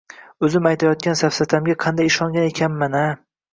O’zim aytayotgan safsatamga qanday ishongan ekanman-a?